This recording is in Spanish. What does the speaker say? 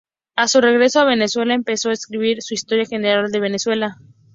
A su regreso a Venezuela empezó a escribir su Historia General de Venezuela.